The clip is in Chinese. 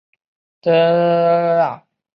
毛麻楝为楝科麻楝属下的一个变种。